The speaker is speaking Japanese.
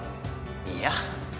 いいや。